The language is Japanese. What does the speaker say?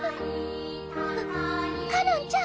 かのんちゃん！